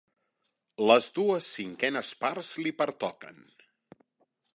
Les dues cinquenes parts li pertoquen.